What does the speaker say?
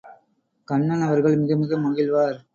கண்ணன் அவர்கள் மிக மிக மகிழ்வார்.